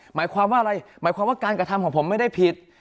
หมายความว่าอะไรหมายความว่าการกระทำของผมไม่ได้ผิด